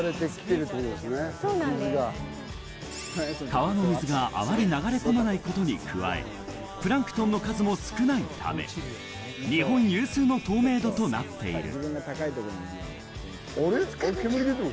川の水があまり流れ込まないことに加え、プランクトンとの数も少ないため、日本有数の透明度となっている。